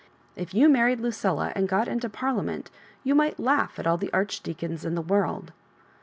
"If you married Lucilla and got into Parliament, you might laugh at all the arch deacons in the world.